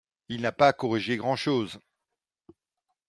Il n’a pas corrigé grand-chose